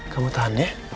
kamu tahan ya